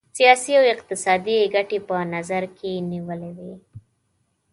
سیاسي او اقتصادي ګټي په نظر کې نیولي وې.